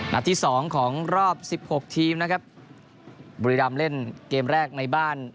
ที่สองของรอบสิบหกทีมนะครับบุรีรำเล่นเกมแรกในบ้าน